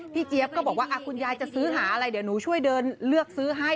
เจี๊ยบก็บอกว่าคุณยายจะซื้อหาอะไรเดี๋ยวหนูช่วยเดินเลือกซื้อให้